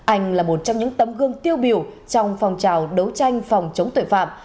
anh là một trong những tấm gương tiêu biểu trong phòng trào đấu tranh phòng chống tuệ phạm